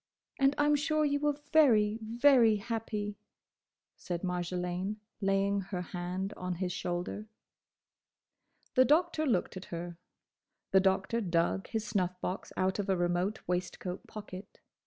"And I 'm sure you were very, very happy," said Marjolaine, laying her hand on his shoulder. The Doctor looked at her. The Doctor dug his snuff box out of a remote waistcoat pocket.